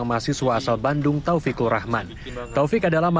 mencapai empat puluh km